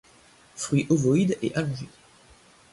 Fruit ovoïde et allongé.